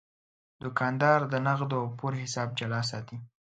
دوکاندار د نغدو او پور حساب جلا ساتي.